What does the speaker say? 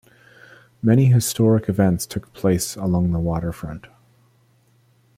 Many historic events took place along the waterfront.